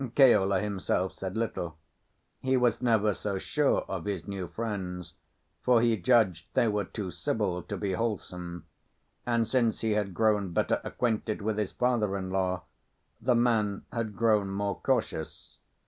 Keola himself said little. He was never so sure of his new friends, for he judged they were too civil to be wholesome, and since he had grown better acquainted with his father in law the man had grown more cautious.